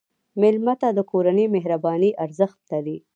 مېلمه ته د کورنۍ مهرباني ارزښت لري.